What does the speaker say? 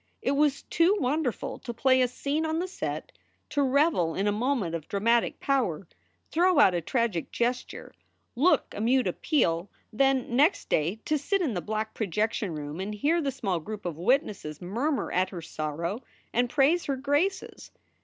It was too wonderful to play a scene on the set, to revel in a moment of dramatic power, throw out a tragic gesture, look a mute appeal, then, next day, to sit in the black projection room and hear the small group of witnesses murmur at her sorrow and praise her graces.